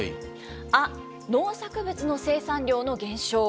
ア、農作物の生産量の減少。